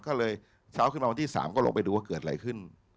ก็เลยเช้าขึ้นมาวันที่๓ก็ลงไปดูว่าเกิดอะไรขึ้น